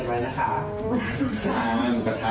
นี่แหละค่ะเพราะนะคะ